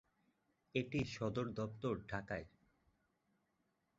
এটির সদর দপ্তর ঢাকায়।